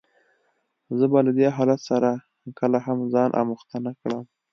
زه به له دې حالت سره کله هم ځان آموخته نه کړم.